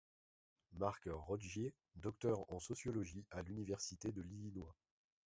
Mark Rodeghier, docteur en sociologie à l'Université de l'Illinois.